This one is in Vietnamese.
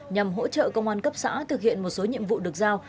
nhằm hỗ trợ công an cấp xã thực hiện một số nhiệm vụ được giao